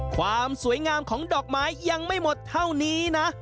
ความสวยงามของดอกไม้ยังไม่หมดเท่านี้นะ